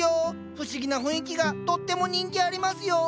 不思議な雰囲気がとっても人気ありますよ。